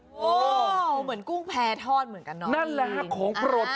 ว้าวเหมือนกุ้งแพร่ทอดเหมือนกันนั่นแหละฮะของโปรดผมเลย